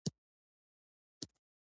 احمد له قبره مې حیا راځي.